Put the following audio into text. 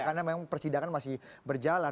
karena memang persidangan masih berjalan